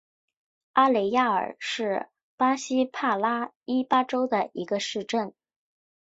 阿雷亚尔是巴西帕拉伊巴州的一个市镇。